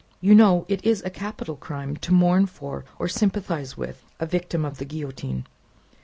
You know it is a capital crime, to mourn for, or sympathise with, a victim of the Guillotine.